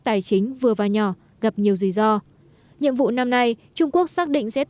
tài chính vừa và nhỏ gặp nhiều rủi ro nhiệm vụ năm nay trung quốc xác định sẽ